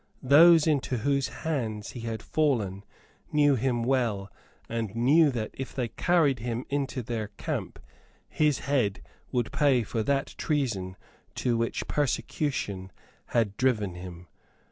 Those into whose hands he had fallen knew him well, and knew that, if they carried him to their camp, his head would pay for that treason to which persecution had driven him.